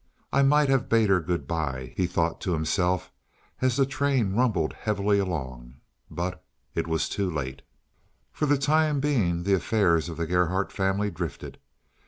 "I might have bade her good by," he thought to himself as the train rumbled heavily along. But it was too late. For the time being the affairs of the Gerhardt family drifted.